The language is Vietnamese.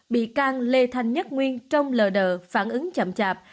bị can lê thanh nhất nguyên trong lờ đờ phản ứng chậm chạp